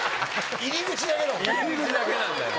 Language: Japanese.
入り口だけなんだよな。